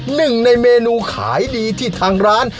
หนึ่งในเมนูขายดีที่ทางร้าน